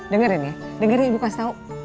dengarin ya dengerin ya ibu pas tau